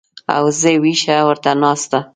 او زه وېښه ورته ناسته